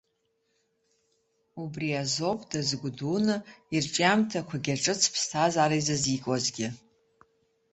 Убри азоуп дазгәдуны ирҿиамҭақәагьы аҿыц ԥсҭазаара изазикуазгьы.